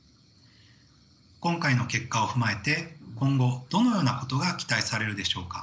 今回の結果を踏まえて今後どのようなことが期待されるでしょうか。